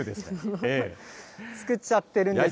作っちゃってるんです。